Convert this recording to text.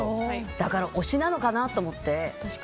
だから、推しなのかなと思って。